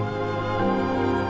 adalah elsa sendiri